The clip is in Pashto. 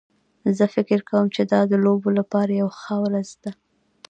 زه فکر کوم چې دا د لوبو لپاره یوه ښه ورځ ده